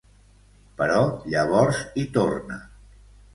Però llavors hi torna.